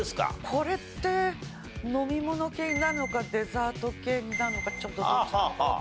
これって飲み物系なのかデザート系なのかちょっとどっちなのかわからない。